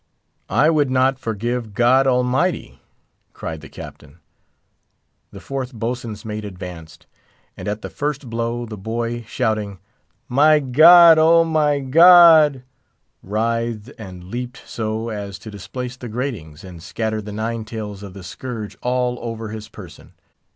"I would not forgive God Almighty!" cried the Captain. The fourth boatswain's mate advanced, and at the first blow, the boy, shouting "My God! Oh! my God!" writhed and leaped so as to displace the gratings, and scatter the nine tails of the scourge all over his person.